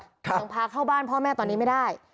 ยังพาเข้าบ้านพ่อแม่ตอนนี้ไม่ได้